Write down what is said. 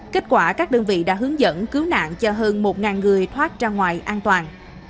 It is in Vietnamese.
kết quả các đơn vị đã hướng dẫn cứu nạn cho hơn một người thoát ra ngoài an toàn